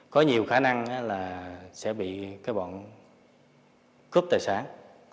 có nhiều khả năng là sẽ bị cái bọn cướp tài sản